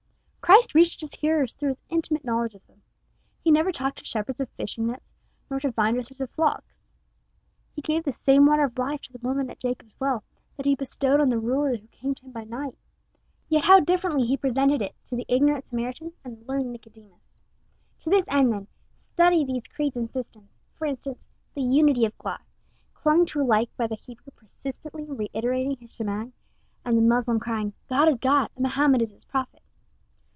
Christ reached his hearers through his intimate knowledge of them. He never talked to shepherds of fishing nets, nor to vine dressers of flocks. He gave the same water of life to the woman at Jacob's well that he bestowed on the ruler who came to him by night. Yet how differently he presented it to the ignorant Samaritan and the learned Nicodemus. To this end, then, study these creeds and systems; for instance, the unity of God, clung to alike by the Hebrew persistently reiterating his Shemang, and the Moslem crying "God is God, and Mohammed is his prophet!"